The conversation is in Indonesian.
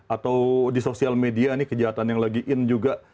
atau di sosial media ini kejahatan yang lagi in juga